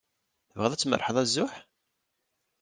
Tebɣiḍ ad tmerrḥeḍ azuḥ?